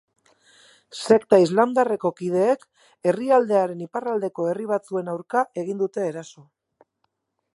Sekta islamdarreko kideek herrialdearen iparraldeko herri batzuen aurka egin dute eraso.